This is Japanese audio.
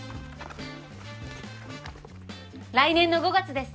来年の５月です。